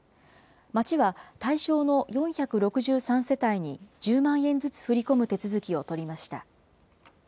町は、対象の４６３世帯に１０万円ずつ振り込む手続きを取りました。